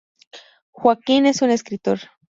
Joaquín es un escritor.